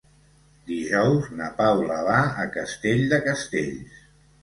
Dijous na Paula va a Castell de Castells.